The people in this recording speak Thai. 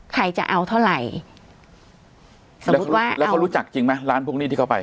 ใครจะเอาเท่าไหร่แล้วเขารู้จักจริงไหมร้านพวกนี้ที่เขาไป